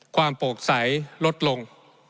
ความโปร่งใสลดลง